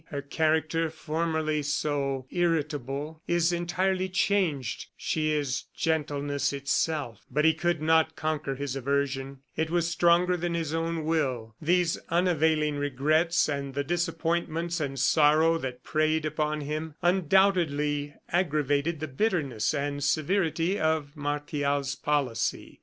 Her character, formerly so irritable, is entirely changed; she is gentleness itself." But he could not conquer his aversion; it was stronger than his own will. These unavailing regrets, and the disappointments and sorrow that preyed upon him, undoubtedly aggravated the bitterness and severity of Martial's policy.